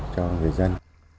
cho người dân